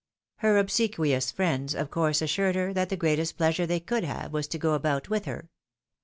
Her obsequious friends, of course, assured her that the greatest pleasure they could have was to go about with her.